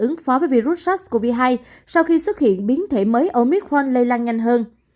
ứng phó với virus sars cov hai sau khi xuất hiện biến thể mới omicron lây lan nhanh hơn